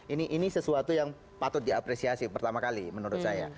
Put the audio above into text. ini sesuatu yang patut diapresiasi pertama kali menurut saya